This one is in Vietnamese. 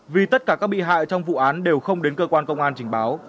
vì tất cả các bị hại trong vụ án đều không đến cơ quan công an trình báo